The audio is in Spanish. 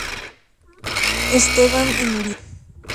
Stephan en Viena.